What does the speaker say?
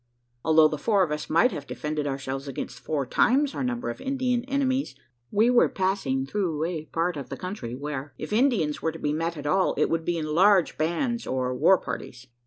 Although the four of us might have defended ourselves against four times our number of Indian enemies, we were passing through apart of the country, where, if Indians were to be met at all, it would be in large bands or "war parties."